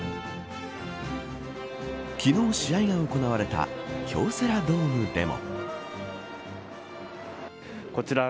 昨日、試合が行われた京セラドームでも。